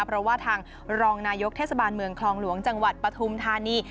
เพราะว่าทางรองนายกเทศบาลเมืองคลองหลวงจังหวัดปฐุมธานี